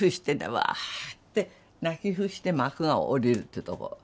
「わ」って泣き伏して幕が下りるっていうとこ。